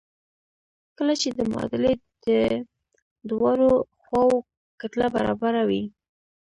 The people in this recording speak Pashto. کله چې د معادلې د دواړو خواوو کتله برابره وي.